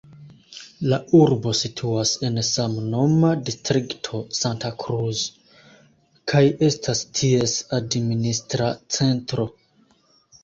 La urbo situas en samnoma distrikto Santa Cruz kaj estas ties administra centro.